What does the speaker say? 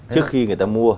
trước khi người ta mua